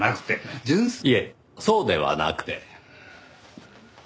いえそうではなくて。